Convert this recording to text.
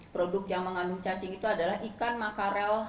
produk yang mengandung cacing itu adalah ikan makarel